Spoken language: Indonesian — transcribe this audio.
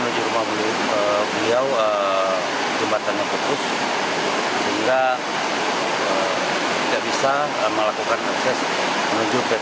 alhamdulillah korban berhasil kita evakuasi kedua duanya dalam keadaan selamat